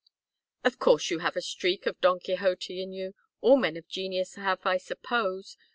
"Of course you have a streak of Don Quixote in you. All men of genius have, I suppose.